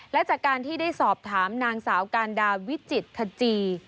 และจากการที่ได้สอบถามนางสาวการดาวิจิตขจี